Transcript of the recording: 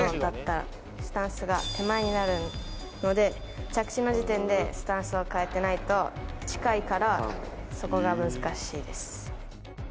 スタンスが手前になるので着地の時点でスタンスを変えてないと近いからそこが難しいです。